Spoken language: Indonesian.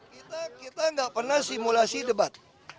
kita nggak pernah simulasi debat